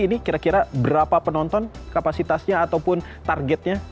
ini kira kira berapa penonton kapasitasnya ataupun targetnya